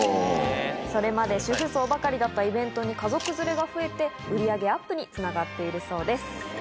それまで主婦層ばかりだったイベントに家族連れが増えて、売り上げアップにつながっているそうです。